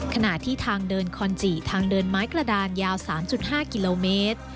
ขณะที่ทางเดินคอนจิทางเดินไม้กระดานยาว๓๕กิโลเมตร